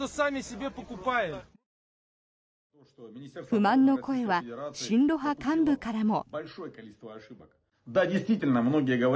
不満の声は親ロ派幹部からも。